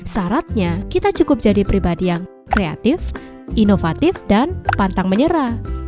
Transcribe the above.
syaratnya kita cukup jadi pribadi yang kreatif inovatif dan pantang menyerah